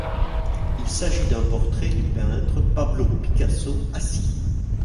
Il s'agit d'un portrait du peintre Pablo Picasso assis.